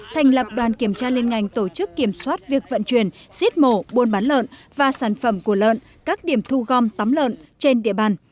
thành lập đoàn kiểm tra liên ngành tổ chức kiểm soát việc vận chuyển giết mổ buôn bán lợn và sản phẩm của lợn các điểm thu gom tắm lợn trên địa bàn